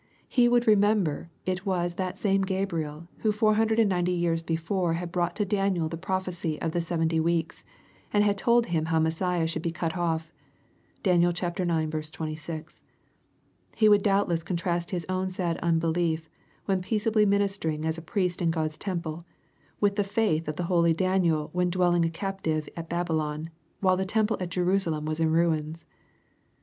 He would remember it was that same Gabriel, who 490 years before had brought to Daniel the prophecy of the sev enty weeks, and had told him how Messiah should be cut off. (Dan. ix. 26.) He would doubtless contrast his own sad unbelief, when peaceably ministering as a priest in God's temple, with the faith of holy Daniel when dwelling a captive at Babylon, while the temple at Jerusalem was in ruins.